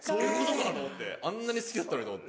あんなに好きやったのにと思って。